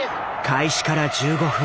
開始から１５分。